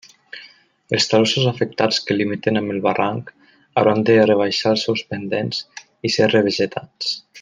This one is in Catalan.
Els talussos afectats que limiten amb el barranc hauran de rebaixar els seus pendents i ser revegetats.